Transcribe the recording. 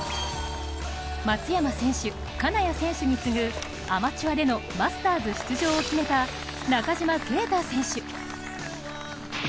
松山選手、金谷選手に次ぐアマチュアでのマスターズ出場を決めた中島啓太選手。